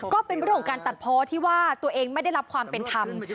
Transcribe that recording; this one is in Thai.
ก็เป็นเรื่องของการตัดเพาะที่ว่าตัวเองไม่ได้รับความเป็นธรรม